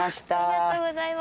ありがとうございます。